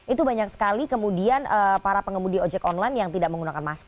itu banyak sekali kemudian para pengemudi ojek online yang tidak menggunakan masker